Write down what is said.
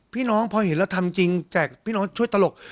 พี่น้องพอเห็นเราทำจริงแจกพี่น้องช่วยตลก